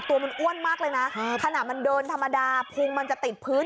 ตัวมันอ้วนมากเลยนะขณะมันเดินธรรมดาพุงมันจะติดพื้น